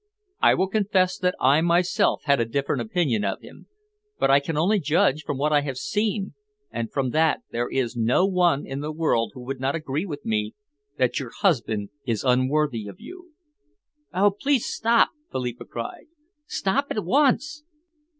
I will confess that I myself had a different opinion of him, but I can only judge from what I have seen and from that there is no one in the world who would not agree with me that your husband is unworthy of you." "Oh, please stop!" Philippa cried. "Stop at once!"